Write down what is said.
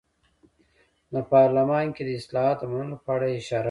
د پارلمان کې د اصلاحاتو د منلو په اړه یې اشاره کړې.